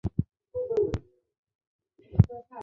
非甾体抗雄药不会降低雌激素水平。